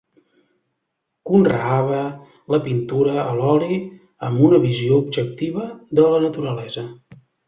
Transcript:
Conreava la pintura a l'oli amb una visió objectiva de la naturalesa.